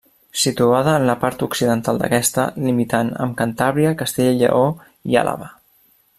Situada en la part occidental d'aquesta, limitant amb Cantàbria, Castella i Lleó i Àlaba.